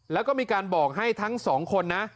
แล้วก็มีการบอกให้ทั้ง๒คน